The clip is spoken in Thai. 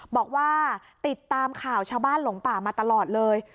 บอกว่าติดตามข่าวชาวบ้านหลงป่ามาตลอดเลย